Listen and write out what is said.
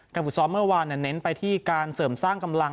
ฝึกซ้อมเมื่อวานเน้นไปที่การเสริมสร้างกำลัง